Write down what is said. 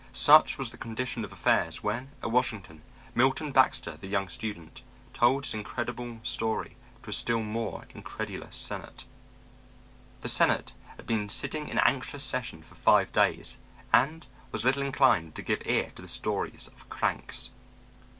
Such was the condition of affairs when, at Washington, Milton Baxter, the young student, told his incredible story to a still more incredulous Senate. The Senate had been sitting in anxious session for five days, and was little inclined to give ear to the stories of cranks.